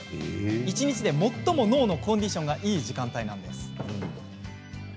一日で最も脳のコンディションがいい時間帯なんです。